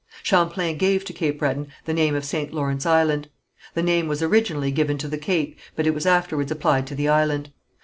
Champlain gave to Cape Breton the name of St. Lawrence Island. The name was originally given to the cape but it was afterwards applied to the island.